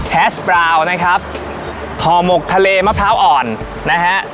แสบราวนะครับห่อหมกทะเลมะพร้าวอ่อนนะฮะ